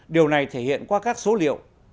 điều này thể hiện qua các số liệu